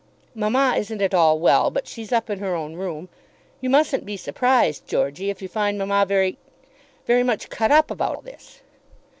"Mamma isn't at all well; but she's up and in her own room. You mustn't be surprised, Georgey, if you find mamma very very much cut up about this."